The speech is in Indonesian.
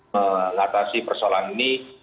mengatasi persoalan ini